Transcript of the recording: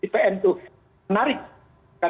pn itu menarik